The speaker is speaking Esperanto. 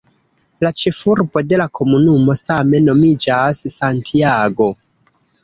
La ĉefurbo de la komunumo same nomiĝas "Santiago".